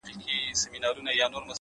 o او ستا پر قبر به،